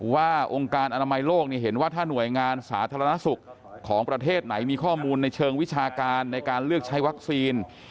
องค์การอนามัยโลกเห็นว่าถ้าหน่วยงานสาธารณสุขของประเทศไหนมีข้อมูลในเชิงวิชาการในการเลือกใช้วัคซีน